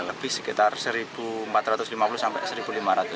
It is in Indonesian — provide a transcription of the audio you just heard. lebih sekitar rp satu empat ratus lima puluh sampai rp satu lima ratus